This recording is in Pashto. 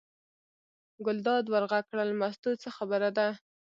ګلداد ور غږ کړل: مستو څه خبره ده.